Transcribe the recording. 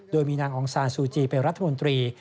โดยมีนางองซานซูจีเป็นรัฐมนตรี